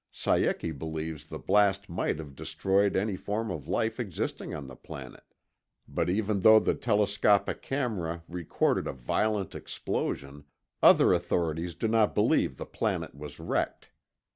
Saeki believes the blast might have destroyed any form of life existing on the planet, but even though the telescopic camera recorded a violent explosion, other authorities do not believe the planet was wrecked.